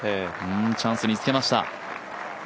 チャンスにつけました。